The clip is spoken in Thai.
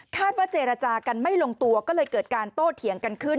ว่าเจรจากันไม่ลงตัวก็เลยเกิดการโต้เถียงกันขึ้น